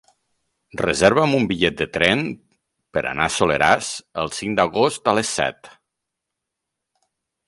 Reserva'm un bitllet de tren per anar al Soleràs el cinc d'agost a les set.